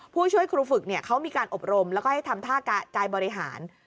ผู้ช่วยครูฝึกเขามีการอบรมแล้วก็ให้ทำท่ากายบริหาร